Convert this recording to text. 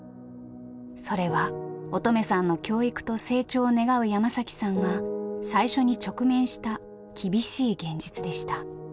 それは音十愛さんの教育と成長を願う山さんが最初に直面した厳しい現実でした。